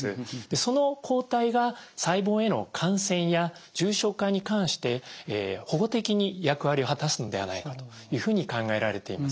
その抗体が細胞への感染や重症化に関して保護的に役割を果たすのではないかというふうに考えられています。